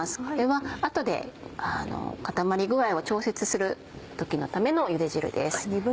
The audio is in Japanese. これは後で固まり具合を調節する時のためのゆで汁です。